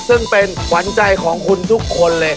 ซึ่งเป็นขวัญใจของคุณทุกคนเลย